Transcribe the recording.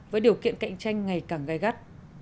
với điều kiện cạnh tranh ngày càng gai gắt